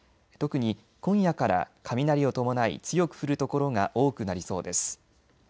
特に今夜から雷を伴い強く降る所が多くなりそうです。